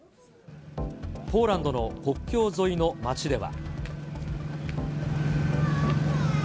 ポーランドの国境沿いの町では。